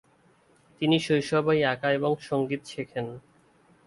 তিনি শৈশবেই আঁকা এবং সংগীত শেখেন।